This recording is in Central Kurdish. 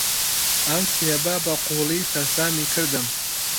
ئەم کتێبە بەقووڵی سەرسامی کردم.